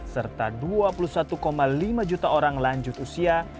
serta dua puluh satu lima juta orang lanjut usia